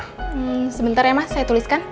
hmm sebentar ya mas saya tuliskan